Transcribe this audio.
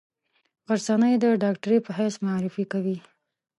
غرڅنۍ د ډاکټرې په حیث معرفي کوي.